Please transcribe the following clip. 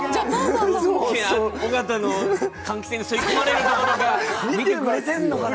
尾形の換気扇吸いこまれるところ、見てくれてるのかな。